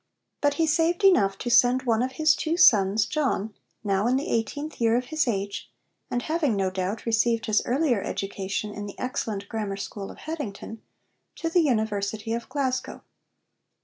But he saved enough to send one of his two sons, John, now in the eighteenth year of his age, and having, no doubt, received his earlier education in the excellent grammar school of Haddington, to the University of Glasgow.